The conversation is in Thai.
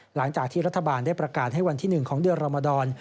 หลังจากที่รัฐบาลได้ประกาศให้วันที่๑ของเดือนรมดร